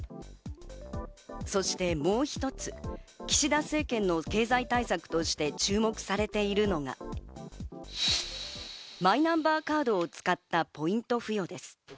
そしてもう一つ、岸田政権の経済対策として注目されているのがマイナンバーカードを使ったポイント付与です。